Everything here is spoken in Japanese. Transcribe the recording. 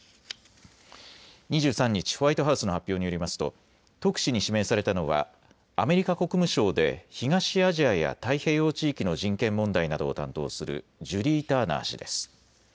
２３日、ホワイトハウスの発表によりますと特使に指名されたのはアメリカ国務省で東アジアや太平洋地域の人権問題などを担当するジュリー・ターナー氏です。